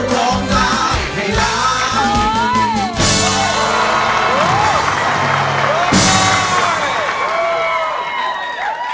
ร้องร้ายให้ร้าย